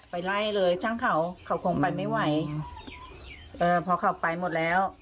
ไปไล่เลยช่างเขาเขาคงไปไม่ไหวเออพอเขาไปหมดแล้ว